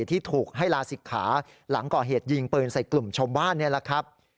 ที่ถูกให้ลาศิกขาหลังก่อเหตุยิงปืนใส่กลุ่มชาวบ้านนี่แหละครับ